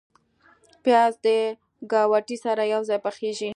پیاز د ګاوتې سره یو ځای پخیږي